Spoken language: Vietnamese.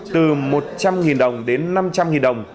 từ một trăm linh đồng đến năm trăm linh đồng